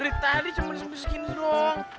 dari tadi cuma disempis segini doang